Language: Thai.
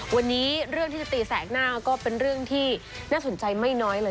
วันนี้เรื่องที่จะตีแสกหน้าก็เป็นเรื่องที่น่าสนใจไม่น้อยเลย